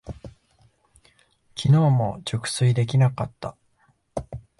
きのうも熟睡できなかった。